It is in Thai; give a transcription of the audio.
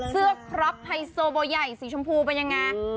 เสื้อพร็อปไพโซโบใหญ่สีชมพูเป็นยังไง